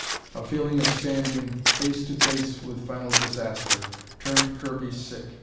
A feeling of standing face to face with final disaster, turned Kirby sick.